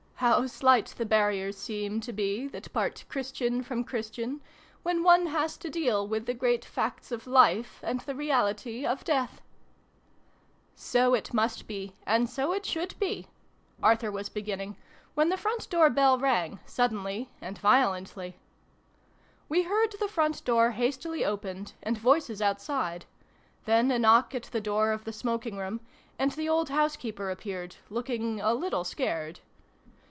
How slight the barriers seem to be that part Christian from Christian, when one T 274 . SYLVIE AND BRUNO CONCLUDED. has to deal with the great facts of Life and the reality of Death !" "So it must be, and so it should be Arthur was beginning, when the front door bell rang, suddenly and violently. We heard the front door hastily opened, and voices outside : then a knock at the door of the smoking room, and the old house keeper appeared, looking a little scared.